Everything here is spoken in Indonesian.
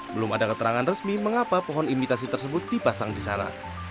belum ada keterangan resmi mengapa pohon imitasi tersebut dipasang di sana